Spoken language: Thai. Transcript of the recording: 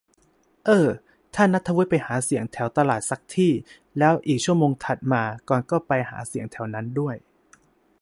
เอ้อ ถ้าณัฐวุฒิไปหาเสียงแถวตลาดซักที่ แล้วอีกชั่วโมงถัดมา กรณ์ก็ไปหาเสียงแถวนั้นด้วย